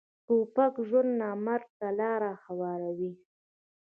توپک ژوند نه، مرګ ته لاره هواروي.